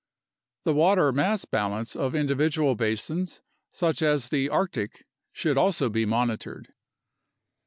The water mass balance of individual basins such as the Arctic should also be monitored.